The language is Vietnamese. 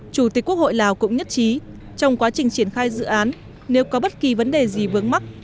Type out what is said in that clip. chủ tịch quốc hội lào cũng nhất trí trong quá trình triển khai dự án nếu có bất kỳ vấn đề gì vướng mắt